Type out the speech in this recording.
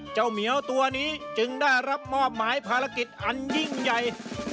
เหมียวตัวนี้จึงได้รับมอบหมายภารกิจอันยิ่งใหญ่